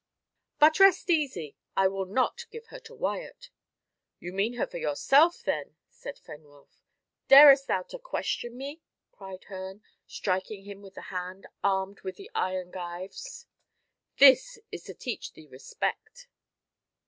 But rest easy, I will not give her to Wyat." "You mean her for yourself, then?" said Fenwolf. "Darest thou to question me?" cried Herne, striking him with the hand armed with the iron gyves. "This to teach thee respect."